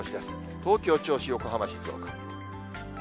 東京、銚子、横浜、静岡。